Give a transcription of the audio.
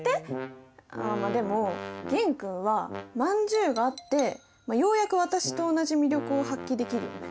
あまあでも玄君はまんじゅうがあってようやく私と同じ魅力を発揮できるよね。